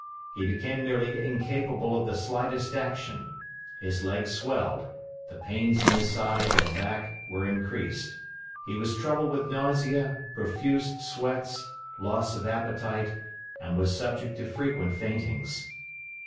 He became nearly incapable of the slightest action; his legs swelled; the pains in his side and back were increased; he was troubled with nausea, profuse sweats, loss of appetite, and was subject to frequent faintings.